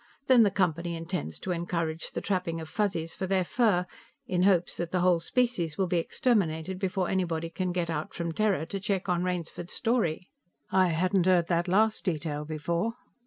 Then the Company intends to encourage the trapping of Fuzzies for their fur, in hopes that the whole species will be exterminated before anybody can get out from Terra to check on Rainsford's story." "I hadn't heard that last detail before."